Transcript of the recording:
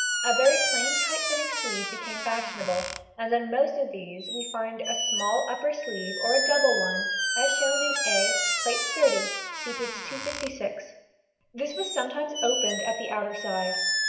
A very plain tight fitting sleeve became fashionable, and on most of these we find a small upper sleeve or a double one as shown in A, Plate XXX (see p. 266); this was sometimes opened at the outer side.